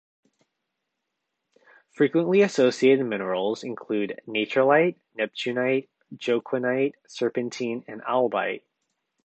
Frequently associated minerals include: natrolite, neptunite, joaquinite, serpentine and albite.